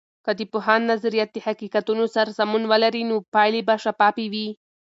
که د پوهاند نظریات د حقیقتونو سره سمون ولري، نو پایلې به شفافې وي.